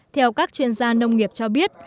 theo các chuyên gia nông nghiệp cho biết